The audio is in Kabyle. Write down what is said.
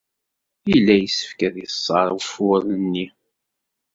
Yella yessefk ad yeṣṣer ufur-nni.